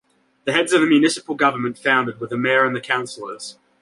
The heads of the municipal government founded were the mayor and the counselors.